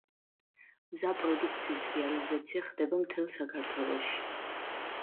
მზა პროდუქციის რეალიზაცია ხდება მთელ საქართველოში.